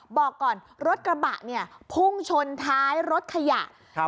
บอกก่อนรถกระบะเนี่ยพุ่งชนท้ายรถขยะครับ